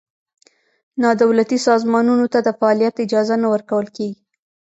نا دولتي سازمانونو ته د فعالیت اجازه نه ورکول کېږي.